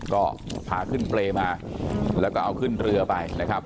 ก็พาขึ้นเปรย์มาแล้วก็เอาขึ้นเรือไปนะครับ